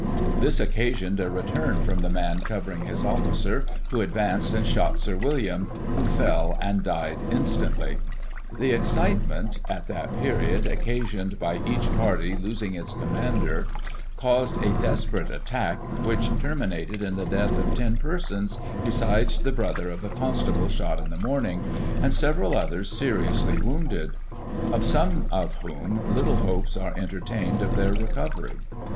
This occa sioned a return from the man covering his officer, who advanced, and shot Sir William, who fell, and died instantly. The excitement, at that period, occasioned by each party losing its commander, caused a desperate attack, which ter minated in the death of ten persons, besides the brother of the constable shot in the morning, and several others seri Digiti ized by Google 50 GOSSIP. [1838 ously wounded, of some of whom little hopes are entertained of their recovery.